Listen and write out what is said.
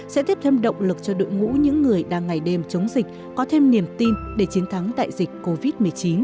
sẽ tiếp thêm động lực cho đội ngũ những người đang ngày đêm chống dịch có thêm niềm tin để chiến thắng đại dịch covid một mươi chín